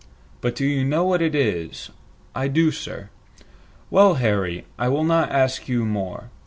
"But you know what it is?" "I do, sir." "Well, Harry, I will not ask you more.